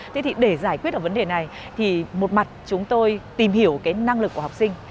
thế thì để giải quyết được vấn đề này thì một mặt chúng tôi tìm hiểu cái năng lực của học sinh